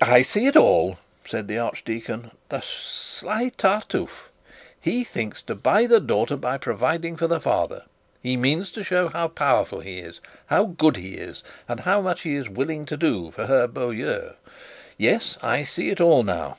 'I see it all,' said the archdeacon. 'The sly tartufe! He thinks to buy the daughter by providing for the father. He means to show how powerful he is, how good he is, and how much he is willing to do for her beaux yeux; yes, I see it all now.